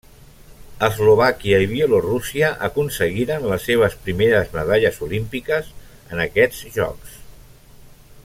Eslovàquia i Bielorússia aconseguiren les seves primeres medalles olímpiques en aquests Jocs.